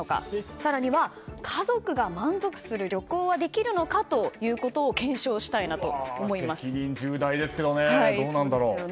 更には家族が満足する旅行はできるのかということを責任重大ですがどうなんだろう。